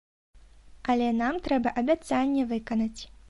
Але нам трэба абяцанне выканаць.